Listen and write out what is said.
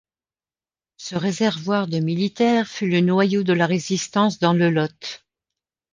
Ce réservoir de militaires fut le noyau de la Résistance dans le Lot.